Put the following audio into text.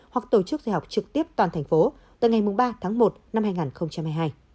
hoặc tổ chức dạy học trực tiếp toàn thành phố từ ngày ba tháng một năm hai nghìn hai mươi hai